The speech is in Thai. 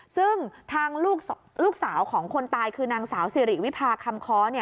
ซึ่งทางลูกสาวของคนตายคือนางสาวสิริวิพาคำค้อ